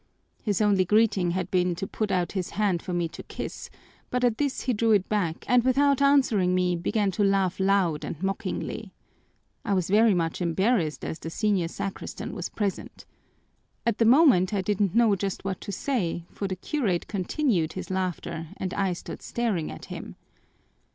His only greeting had been to put out his hand for me to kiss, but at this he drew it back and without answering me began to laugh loud and mockingly. I was very much embarrassed, as the senior sacristan was present. At the moment I didn't know just what to say, for the curate continued his laughter and I stood staring at him.